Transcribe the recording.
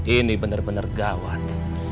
ini benar benar gawat